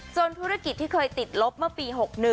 ส่วนธุรกิจที่เคยติดลบเมื่อปี๖๑